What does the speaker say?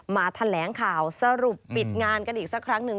มาแถลงข่าวสรุปปิดงานกันอีกสักครั้งหนึ่ง